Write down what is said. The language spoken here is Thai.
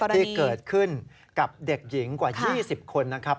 ที่เกิดขึ้นกับเด็กหญิงกว่า๒๐คนนะครับ